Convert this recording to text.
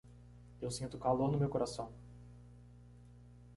Eu sinto calor no meu coração.